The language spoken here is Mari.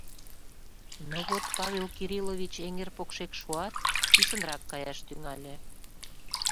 Но вот Павел Кириллович эҥер покшек шуат, писынрак каяш тӱҥале.